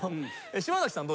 島崎さん。